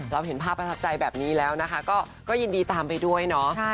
เห็นภาพประทับใจแบบนี้แล้วนะคะก็ยินดีตามไปด้วยเนาะ